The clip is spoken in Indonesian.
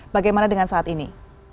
bagaimana dengan saat ini